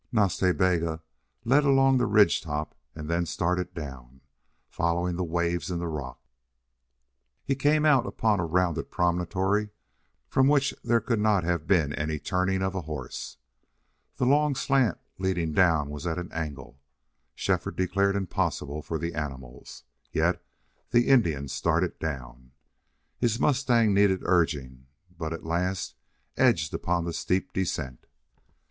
Nas Ta Bega led along the ridge top and then started down, following the waves in the rock. He came out upon a round promontory from which there could not have been any turning of a horse. The long slant leading down was at an angle Shefford declared impossible for the animals. Yet the Indian started down. His mustang needed urging, but at last edged upon the steep descent.